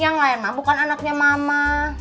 yang lain mampukan anaknya mama